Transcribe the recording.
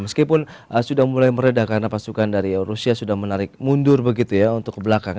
meskipun sudah mulai meredah karena pasukan dari rusia sudah menarik mundur begitu ya untuk ke belakang